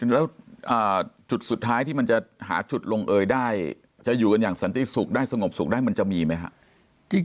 แล้วจุดสุดท้ายที่มันจะหาจุดลงเอยได้จะอยู่กันอย่างสันติสุขได้สงบสุขได้มันจะมีไหมครับ